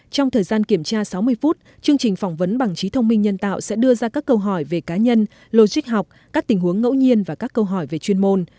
trong thời gian kiểm tra sáu mươi phút chương trình phỏng vấn bằng trí thông minh nhân tạo sẽ đưa ra các câu hỏi về cá nhân logic học các tình huống ngẫu nhiên và các câu hỏi về chuyên môn